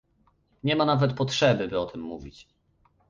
Nie ma nawet potrzeby, by o tym mówić